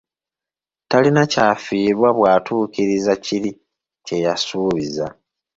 Talina kyafiirwa bw’atuukiriza kiri kye’yasuubiza.